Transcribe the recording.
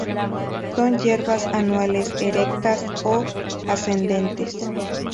Son hierbas anuales, erectas o ascendentes.